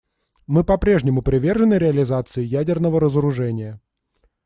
Мы по-прежнему привержены реализации ядерного разоружения.